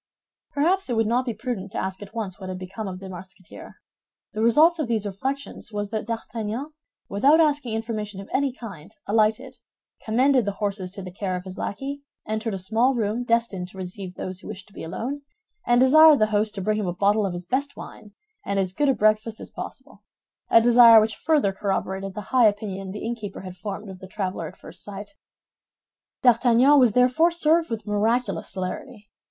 Perhaps it would not be prudent to ask at once what had become of the Musketeer. The result of these reflections was that D'Artagnan, without asking information of any kind, alighted, commended the horses to the care of his lackey, entered a small room destined to receive those who wished to be alone, and desired the host to bring him a bottle of his best wine and as good a breakfast as possible—a desire which further corroborated the high opinion the innkeeper had formed of the traveler at first sight. D'Artagnan was therefore served with miraculous celerity.